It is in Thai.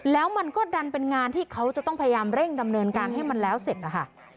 แล้วมันก็ดันเป็นงานที่เขาจะต้องพยายามเร่งดำเนินการให้มันแล้วเสร็จนะคะ